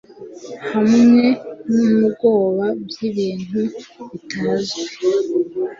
hamwe nubwoba byibintu bitazwi